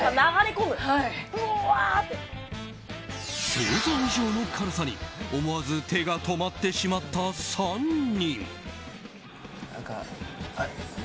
想像以上の辛さに思わず手が止まってしまった３人。